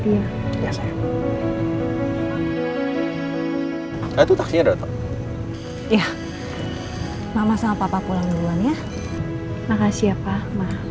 ya saya tuh taksinya datang ya mama sama papa pulang duluan ya makasih ya papa